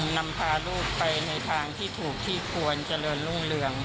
นำพาลูกไปในทางที่ถูกที่ควรเจริญรุ่งเรือง